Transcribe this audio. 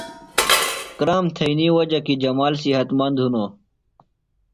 کرام تھئینی وجہ کیۡ جمال صحت مند ہِنوۡ۔